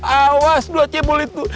awas dua cebol itu